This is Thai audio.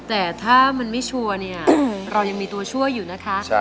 แต่ถ้ามันไม่ชัวร์เนี่ยเรายังมีตัวช่วยอยู่นะคะ